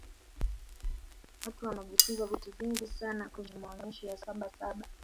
watu wanajifunza vitu vingi sana kwenye maonyesho ya sabasaba